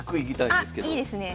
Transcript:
あっいいですね。